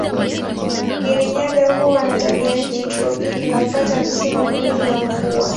Kirinyaga huwa na tabianchi tropiki na hupata misimu miwili ya mvua.